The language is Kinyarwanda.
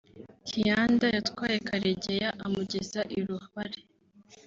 Kyanda yatwaye Karegeya amugeza i Rubare